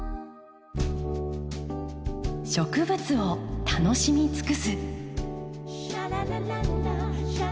植物を楽しみ尽くす。